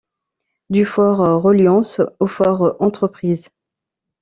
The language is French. Du fort Reliance au fort Entreprise —